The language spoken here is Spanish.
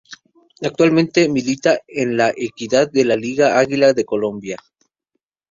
Actualmente milita en La Equidad de la Liga Águila de Colombia.